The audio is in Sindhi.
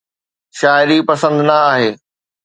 شاعري پسند نه آهي